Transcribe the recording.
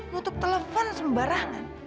mutuk telepon sembarangan